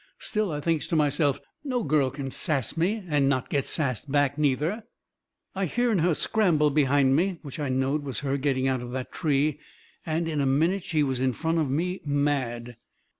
Still, I thinks to myself, no girl can sass me and not get sassed back, neither. I hearn a scramble behind me which I knowed was her getting out of that tree. And in a minute she was in front of me, mad.